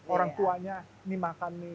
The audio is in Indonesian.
orangtuanya ini makan nih